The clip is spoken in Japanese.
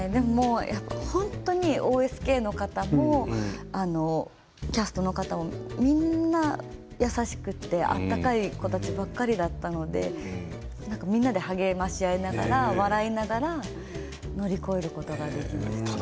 ＯＳＫの方もキャストの方もみんな優しくて温かい子たちばかりだったのでみんなで励まし合いながら笑いながら乗り越えることができました。